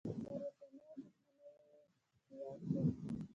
پر اوسنیو دوښمنیو یې قیاسوم.